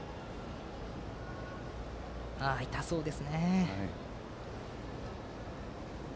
痛そうですね。